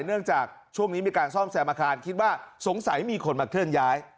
เนื่องจากช่วงนี้มีการซ่อมแซมอาคารคิดว่าสงสัยมีคนมาเคลื่อนย้าย